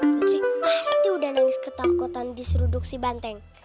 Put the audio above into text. putri pasti sudah menangis ketakutan di suruh duduk si banteng